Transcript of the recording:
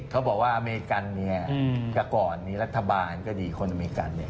เขาบอกว่าอเมริกันเนี่ยแต่ก่อนนี้รัฐบาลก็ดีคนอเมริกันเนี่ย